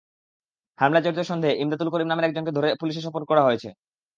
হামলায় জড়িত সন্দেহে ইমদাদুল করিম নামের একজনকে ধরে পুলিশে সোপর্দ করা হয়েছে।